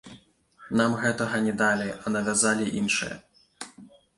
Нам гэтага не далі, а навязалі іншае.